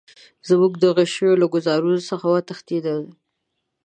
زموږ د غشیو له ګوزارونو څخه وتښتېدل.